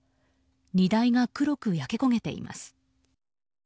荷台が黒く焼け焦げています。